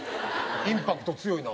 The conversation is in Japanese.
インパクト強いな。